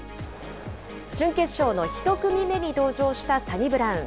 準決勝の１組目に登場したサニブラウン。